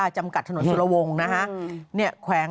จำกัดถนนสุรวงศ์นะฮะ